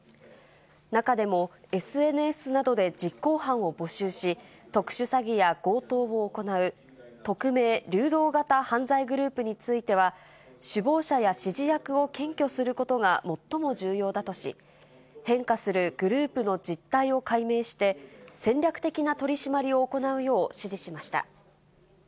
中でもＳＮＳなどで実行犯を募集し、特殊詐欺や強盗を行う、匿名・流動型犯罪グループについては、首謀者や指示役を検挙することが最も重要だとし、変化するグループの実態を解明して、戦略的な取締りを行うよう指示しました。